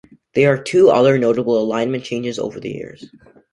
There are two other notable alignment changes over the years.